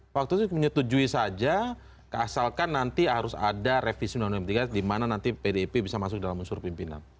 waktu itu menyetujui saja asalkan nanti harus ada revisi undang undang md tiga di mana nanti pdip bisa masuk dalam unsur pimpinan